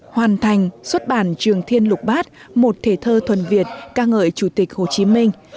hoàn thành xuất bản trường thiên lục bát một thể thơ thuần việt ca ngợi chủ tịch hồ chí minh